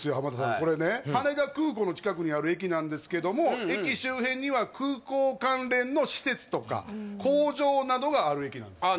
これね羽田空港の近くにある駅なんですけども駅周辺には空港関連の施設とか工場などがある駅なんですあ